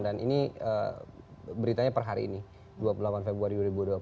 dan ini beritanya per hari ini dua puluh delapan februari dua ribu dua puluh